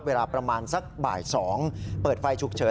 เวลาประมาณสักบ่าย๒เปิดไฟฉุกเฉิน